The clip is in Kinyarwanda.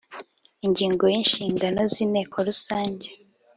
Ingingo y Inshingano z inteko rusange